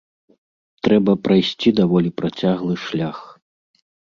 Трэба прайсці даволі працяглы шлях.